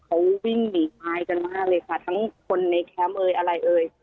เขาวิ่งหนีตายกันมากเลยค่ะทั้งคนในแคมป์เอ่ยอะไรเอ่ย